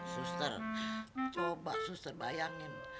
suster coba suster bayangin